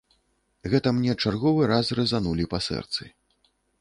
Гэта мне чарговы раз разанулі па сэрцы.